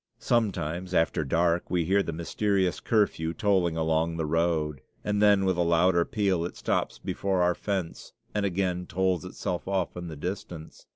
Sometimes, after dark, we hear the mysterious curfew tolling along the road, and then with a louder peal it stops before our fence and again tolls itself off in the distance.